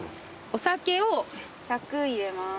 お酒を１００入れます。